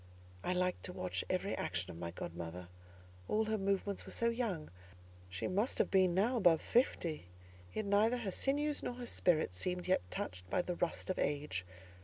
I liked to watch every action of my godmother; all her movements were so young: she must have been now above fifty, yet neither her sinews nor her spirit seemed yet touched by the rust of age.